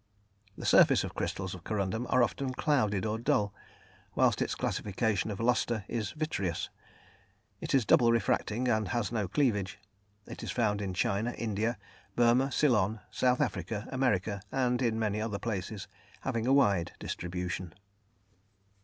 The surfaces of crystals of corundum are often clouded or dull, whilst its classification of lustre is vitreous. It is double refracting and has no cleavage. It is found in China, India, Burma, Ceylon, South Africa, America, and in many other places, having a wide distribution.